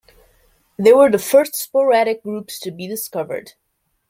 They were the first sporadic groups to be discovered.